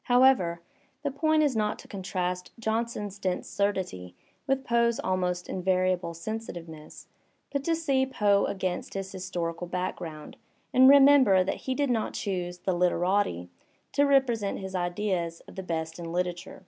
However, the point is not to contrast Johnson's dense surdity with Poe's almost iavariable sensitiveness, but to see Poe against his historical background and remember that he did not choose the "literati" to represent his idea of the best in literature.